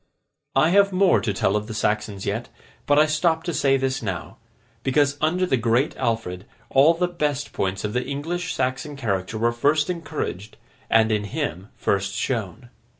I have more to tell of the Saxons yet, but I stop to say this now, because under the Great Alfred, all the best points of the English Saxon character were first encouraged, and in him first shown.